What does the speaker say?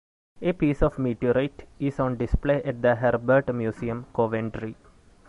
A piece of the meteorite is on display at the Herbert Museum, Coventry.